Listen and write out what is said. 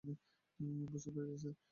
বুঝতে পেরেছি, স্যার।